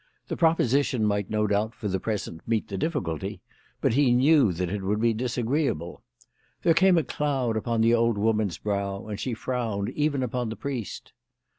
The proposition might no doubt for the present meet the difficulty, but he knew that it would be disagreeable. There came a cloud upon the old woman's brow, and she frowned even upon the priest.